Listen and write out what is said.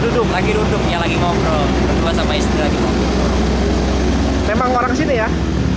duduk lagi duduknya lagi ngobrol berdua sama istri lagi memang orang sini ya